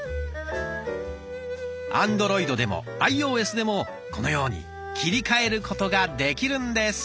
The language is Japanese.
アンドロイドでもアイオーエスでもこのように切り替えることができるんです。